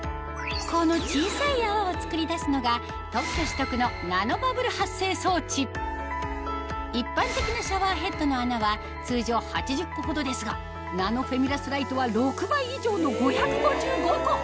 この小さい泡を作り出すのが一般的なシャワーヘッドの穴は通常８０個ほどですがナノフェミラスライトは６倍以上の５５５個